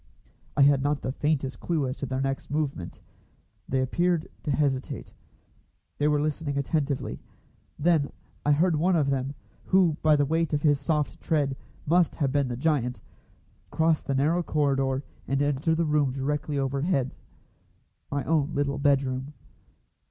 I had not the faintest clue as to their next movement. They appeared to hesitate. They were listening attentively. Then I heard one of them, who by the weight of his soft tread must have been the giant, cross the narrow corridor and enter the room directly overhead my own little bedroom.